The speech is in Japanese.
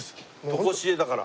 とこしえだから。